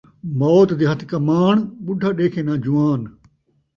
موت دے ہتھ کماݨ ، ٻڈھا ݙیکھے ناں جوان